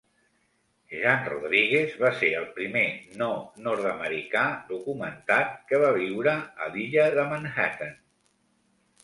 Jan Rodrigues va ser el primer no-nord-americà documentat que va viure a l'illa de Manhattan.